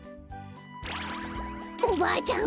おばあちゃん！